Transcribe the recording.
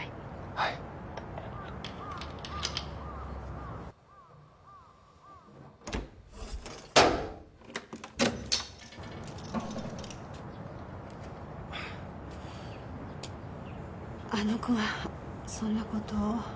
はいあの子がそんなことを？